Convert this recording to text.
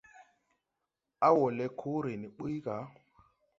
A woo le koore ni ɓuy ga.